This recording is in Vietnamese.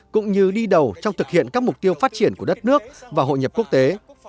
cũng như đi đầu trong thực hiện các mục tiêu phát triển của đất nước và hội nhập quốc tế